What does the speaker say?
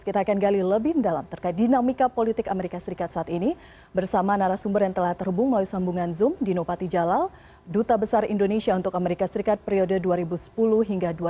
kita akan gali lebih mendalam terkait dinamika politik amerika serikat saat ini bersama narasumber yang telah terhubung melalui sambungan zoom dino patijalal duta besar indonesia untuk amerika serikat periode dua ribu sepuluh hingga dua ribu dua puluh